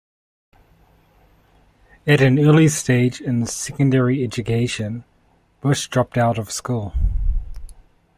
At an early stage in secondary education, Bush dropped out of school.